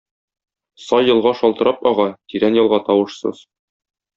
Сай елга шалтырап ага, тирән елга — тавышсыз.